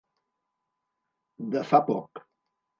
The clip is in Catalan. De fa poc.